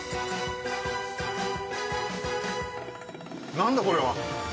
何だこれは！